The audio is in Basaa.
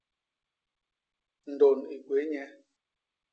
Ndôn i gwéé nye.